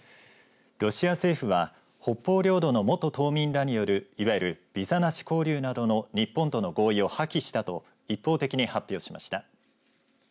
ロシア政府は国境領土の元島民らによるいわゆるビザなし交流などの日本との合意を破棄したと一方的に発表しました。